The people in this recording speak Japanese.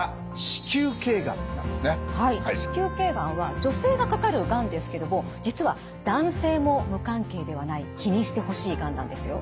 子宮頸がんは女性がかかるがんですけども実は男性も無関係ではない気にしてほしいがんなんですよ。